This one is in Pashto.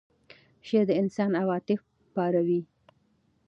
شعر د انسان عواطف پاروي.